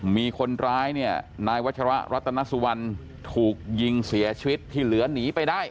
มีคนร้ายเนี่ยนายวัชระรัตนสุวรรณถูกยิงเสียชีวิตที่เหลือหนีไปได้